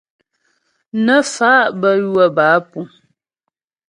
Nə́ fa' bə́ ywə̌ bə́ á púŋ.